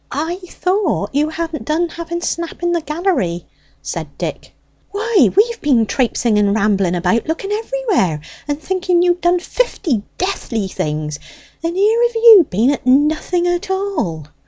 "I thought you hadn't done having snap in the gallery," said Dick. "Why, we've been traypsing and rambling about, looking everywhere, and thinking you'd done fifty deathly things, and here have you been at nothing at all!"